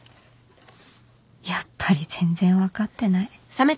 やっぱり全然分かってない